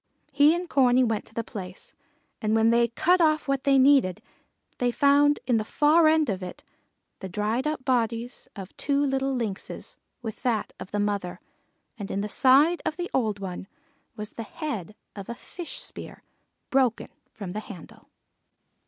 He and Corney went to the place, and when they cut off what they needed, they found in the far end of it the dried up bodies of two little Lynxes with that of the mother, and in the side of the old one was the head of a fish spear broken from the handle.